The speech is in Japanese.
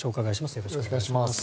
よろしくお願いします。